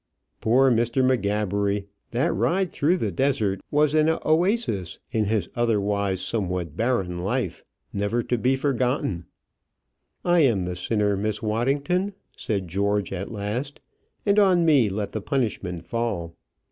Poor Mr. M'Gabbery! that ride through the desert was an oasis in his otherwise somewhat barren life, never to be forgotten. "I am the sinner, Miss Waddington," said George, at last, "and on me let the punishment fall.